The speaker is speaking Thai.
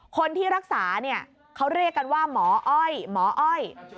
คนที่รักษานี่เขาเรียกกันว่าหมออ้อย